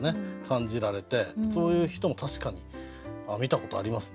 そういう人も確かに見たことありますね。